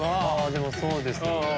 でもそうですよね。